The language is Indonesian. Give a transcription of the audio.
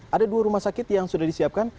ada dua rumah sakit yang sudah disiapkan